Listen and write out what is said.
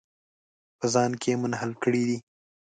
په ځان کې یې منحل کړي دي.